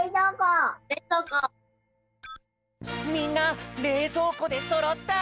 みんなれいぞうこでそろった！